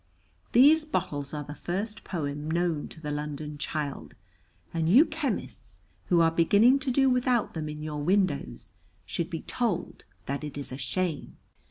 These bottles are the first poem known to the London child, and you chemists who are beginning to do without them in your windows should be told that it is a shame.